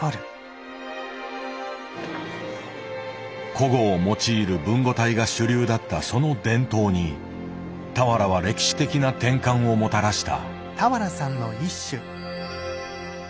古語を用いる文語体が主流だったその伝統に俵は歴史的な転換をもたらした。